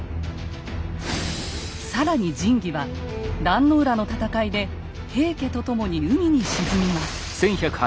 更に神器は壇の浦の戦いで平家と共に海に沈みます。